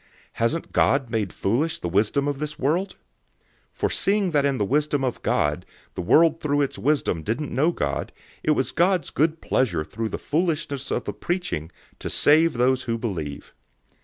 Hasn't God made foolish the wisdom of this world? 001:021 For seeing that in the wisdom of God, the world through its wisdom didn't know God, it was God's good pleasure through the foolishness of the preaching to save those who believe.